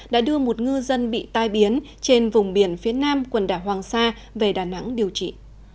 đã đưa một ngư dân bị tai biến trên vùng biển phía nam quần đảo hoàng sa về đà nẵng điều trị